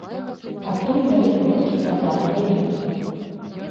Адтуль мае продкі па татавай лініі.